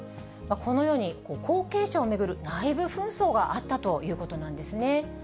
このように後継者を巡る内部紛争があったということなんですね。